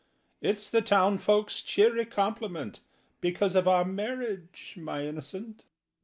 "It's the townsfolks' cheery compliment Because of our marriage, my Innocent."